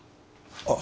あっ。